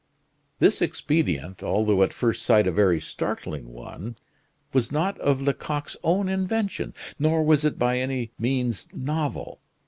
This expedient, although at first sight a very startling one, was not of Lecoq's own invention, nor was it by any means novel.